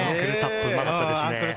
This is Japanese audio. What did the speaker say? うまかったですね。